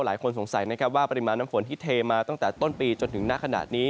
หลายคนสงสัยนะครับว่าปริมาณน้ำฝนที่เทมาตั้งแต่ต้นปีจนถึงหน้าขนาดนี้